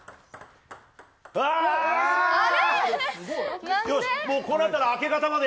あれ？